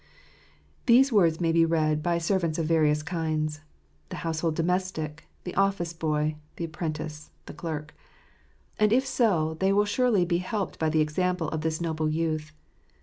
These words may be read by servants of various kinds — the household domestic, the office boy, the apprentice, the clerk. And if so, they will surely be helped by the example of this noble youth.